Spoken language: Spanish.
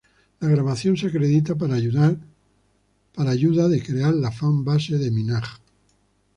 La grabación se acredita para ayuda de crear la Fan Base de Minaj.